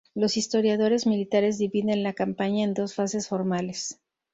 Los historiadores militares dividen la campaña en dos fases formales.